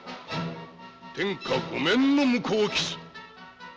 天下御免の向こう傷。